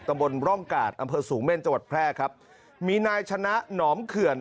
บนร่องกาดอำเภอสูงเม่นจังหวัดแพร่ครับมีนายชนะหนอมเขื่อน